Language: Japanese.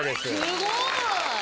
すごい！